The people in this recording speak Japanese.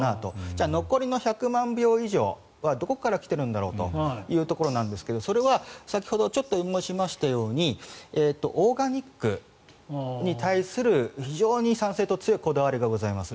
じゃあ残りの１００万票以上はどこから来ているのかということなんですがそれは先ほどちょっと申しましたようにオーガニックに対する非常に参政党強いこだわりがございます。